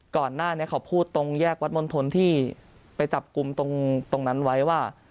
ก่อนหน้านี้เขาพูดตรงแยกวัดมณฑลที่ไปจับกลุ่มตรงนั้นไว้ว่า